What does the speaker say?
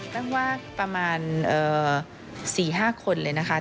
ตั้งว่าประมาณ๔๕คนเลยนะคะ